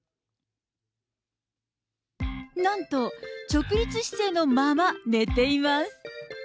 なんと、直立姿勢のまま寝ています。